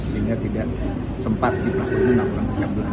sehingga tidak sempat si pelaku melakukan